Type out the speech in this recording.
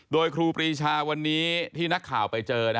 โดยครูปรีชาวันนี้ที่นักข่าวไปเจอ